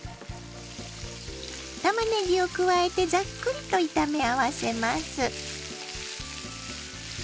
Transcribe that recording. たまねぎを加えてざっくりと炒め合わせます。